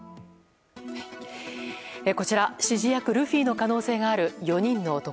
こちら、指示役ルフィの可能性がある４人の男。